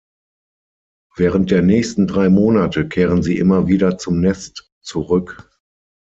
Während der nächsten drei Monate kehren sie immer wieder zum Nest zurück.